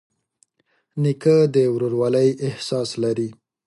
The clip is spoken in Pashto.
نیکه د ورورولۍ احساس لري.